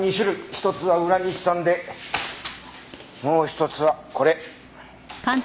１つは浦西さんでもう１つはこれ。